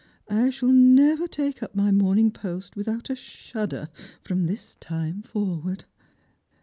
I shall never take up my Moj ning Post without a shudder from this time forward."